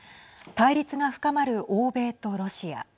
対立が深まる欧米とロシア。